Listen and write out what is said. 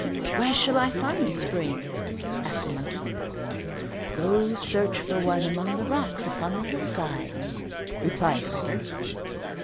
"Where shall I find a spring?" asked the monkey. "Go search for one among the rocks upon the hillside," replied the river.